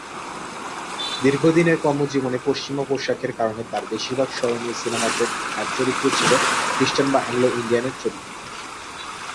দীর্ঘদিনের কর্মজীবনে পশ্চিমা পোশাকের কারণে তার বেশিরভাগ স্মরণীয় সিনেমাতে তাঁর চরিত্রটি ছিল খ্রিস্টান বা অ্যাংলো-ইন্ডিয়ান চরিত্রের।